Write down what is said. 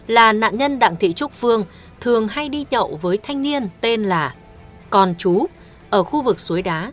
là nạn nhân đặng thị trúc phương thường hay đi nhậu với thanh niên tên là con chú ở khu vực suối đá